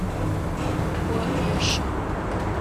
О уещэ.